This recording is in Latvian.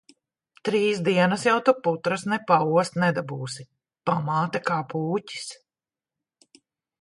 Trīs dienas jau tu putras ne paost nedabūsi. Pamāte kā pūķis.